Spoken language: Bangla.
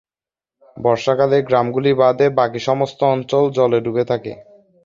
বর্ষাকালে গ্রামগুলি বাদে বাকি সমস্ত অঞ্চল জলে ডুবে থাকে।